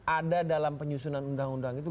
ada dalam penyusunan undang undang itu